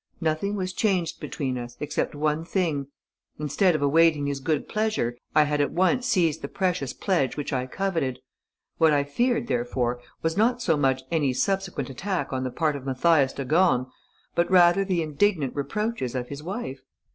Nothing was changed between us, except one thing: instead of awaiting his good pleasure, I had at once seized the precious pledge which I coveted. What I feared, therefore, was not so much any subsequent attack on the part of Mathias de Gorne, but rather the indignant reproaches of his wife.